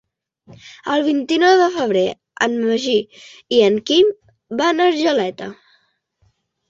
El vint-i-nou de febrer en Magí i en Quim van a Argeleta.